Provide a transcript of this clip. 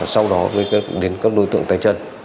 sau đó đến các đối tượng tay chân